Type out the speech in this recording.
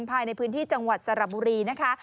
ภายในพื้นที่จังหวัดสระบุรีนะคะ